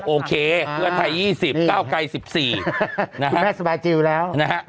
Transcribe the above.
โอเคเพื่อนไทยยี่สิบเก้าไกรสิบสี่นะฮะแม่สบายจิลแล้วนะฮะ